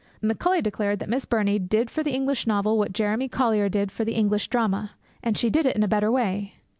Macaulay declared that Miss Burney did for the English novel what Jeremy Collier did for the English drama; and she did it in a better way.